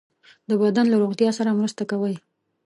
د بدن له روغتیا سره مرسته کوي.